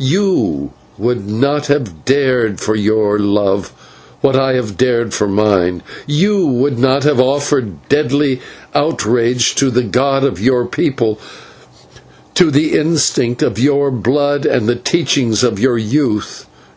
/You/ would not have dared for your love what I have dared for mine; /you/ would not have offered deadly outrage to the god of your people, to the instinct of your blood, and the teachings of your youth.